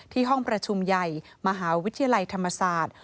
ห้องประชุมใหญ่มหาวิทยาลัยธรรมศาสตร์